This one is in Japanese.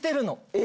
え？